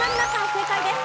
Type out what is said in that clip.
正解です。